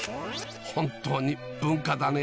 本当に文化だね・